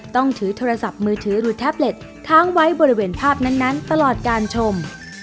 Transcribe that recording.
ต้องถือโทรศัพท์มือถือหรือแท็บเล็ตค้างไว้บริเวณภาพนั้นตลอดการชม